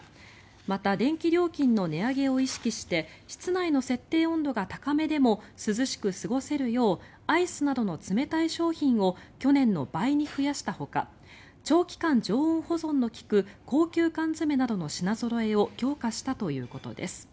また電気料金の値上げを意識して室内の設定温度が高めでも涼しく過ごせるようアイスなどの冷たい商品を去年の倍に増やしたほか長期間常温保存の利く高級缶詰などの品ぞろえを強化したということです。